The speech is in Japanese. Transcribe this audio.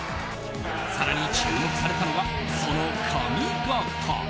更に注目されたのが、その髪形。